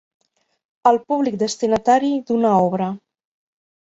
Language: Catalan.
El públic destinatari d'una obra.